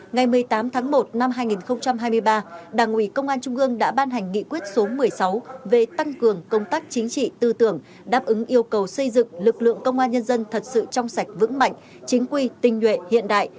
ngày một mươi tám tháng một năm hai nghìn hai mươi ba đảng ủy công an trung ương đã ban hành nghị quyết số một mươi sáu về tăng cường công tác chính trị tư tưởng đáp ứng yêu cầu xây dựng lực lượng công an nhân dân thật sự trong sạch vững mạnh chính quy tinh nhuệ hiện đại